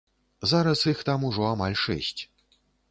Зараз іх там ужо амаль шэсць.